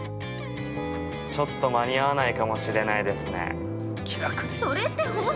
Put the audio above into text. ◆ちょっと間に合わないかもしれないですね。